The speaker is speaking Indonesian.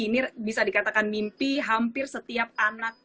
ini bisa dikatakan mimpi hampir setiap anak perempuan di indonesia